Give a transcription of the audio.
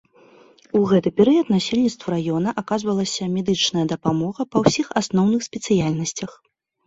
У гэты перыяд насельніцтву раёна аказвалася медычная дапамога па ўсіх асноўных спецыяльнасцях.